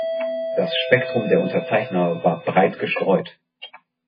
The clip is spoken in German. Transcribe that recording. Das Spektrum der Unterzeichner war breit gestreut.